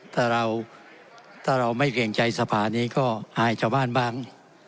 แต่เราไม่เรียงใจสภานี้ก็อายจะบ้านบ้าง